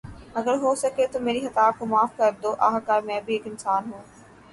اگر ہوسکے تو میری خطا کو معاف کردو۔ آخر کار میں بھی ایک انسان ہوں۔